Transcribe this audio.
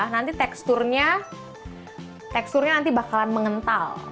nanti teksturnya bakalan mengental